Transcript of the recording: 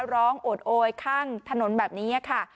โอดโอยข้างถนนแบบนี้ค่ะ